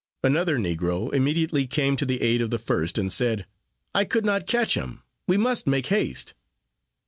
Another negro immediately came to the aid of the first, and said, "I could not catch him we must make haste."